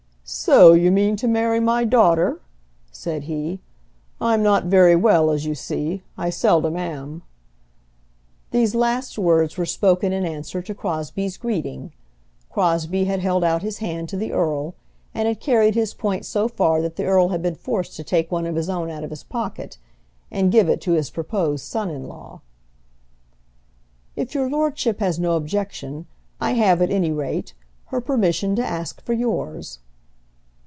"So you mean to marry my daughter?" said he. "I'm not very well, as you see; I seldom am." These last words were spoken in answer to Crosbie's greeting. Crosbie had held out his hand to the earl, and had carried his point so far that the earl had been forced to take one of his own out of his pocket, and give it to his proposed son in law. "If your lordship has no objection. I have, at any rate, her permission to ask for yours."